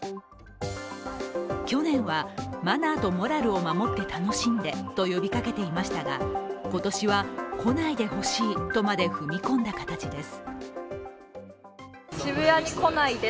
去年はマナーとモラルを守って楽しんでと呼びかけていましたが今年は、来ないでほしいとまで踏み込んだ形です。